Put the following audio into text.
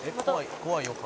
怖いよ顔」